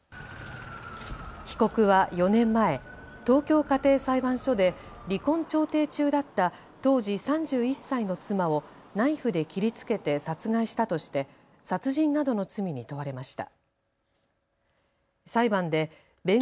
被告は４年前、東京家庭裁判所で離婚調停中だった当時３１歳の妻をナイフで切りつけて殺害したとして殺人などの罪に問われました。